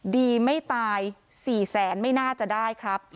ดีไม่ตาย๔แสนไม่น่าจะได้ครับ